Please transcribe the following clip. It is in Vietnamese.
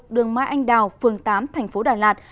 đường mai anh đào phường tám tp đà lạt